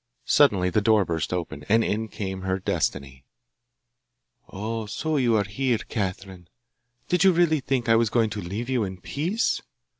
Suddenly the door burst open, and in came her Destiny. 'Oh! so here you are, Catherine! Did you really think I was going to leave you in peace?